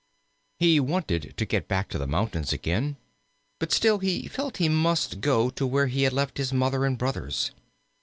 "] He wanted to get back to the mountains again, but still he felt he must go to where he had left his Mother and brothers.